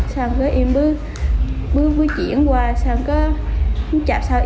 sao em cứ bước bước chuyển qua sao em cứ không chạp sao